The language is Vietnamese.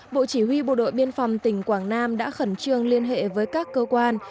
bộ chỉ huy bộ đội biên phòng tỉnh quảng nam đã khẩn trương liên hệ với các cơ quan